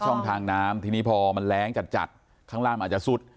ช่องทางน้ำทีนี้พอมันแรงจัดข้างล่างอาจจะซุด